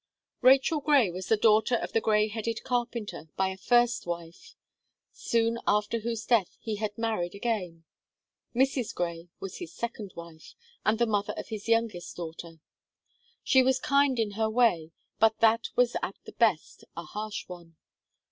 Rachel Gray was the daughter of the grey headed carpenter by a first wife; soon after whose death he had married again. Mrs. Gray was his second wife, and the mother of his youngest daughter. She was kind in her way, but that was at the best a harsh one.